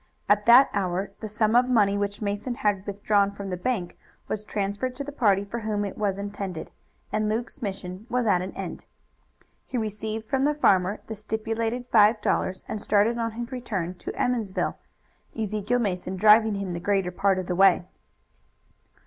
At that hour the sum of money which Mason had withdrawn from the bank was transferred to the party for whom it was intended, and Luke's mission was at an end. He received from the farmer the stipulated five dollars, and started on his return to Emmonsville, Ezekiel Mason driving him the greater part of the way.